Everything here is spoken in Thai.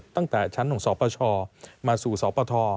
ตั้งแต่ชั้นของสปชมาสู่สปท